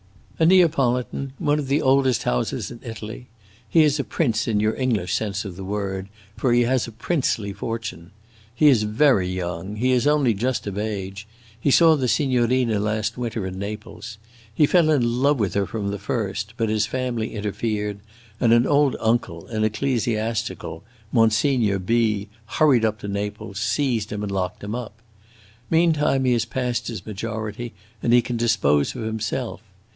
"A Neapolitan; one of the oldest houses in Italy. He is a prince in your English sense of the word, for he has a princely fortune. He is very young; he is only just of age; he saw the signorina last winter in Naples. He fell in love with her from the first, but his family interfered, and an old uncle, an ecclesiastic, Monsignor B , hurried up to Naples, seized him, and locked him up. Meantime he has passed his majority, and he can dispose of himself.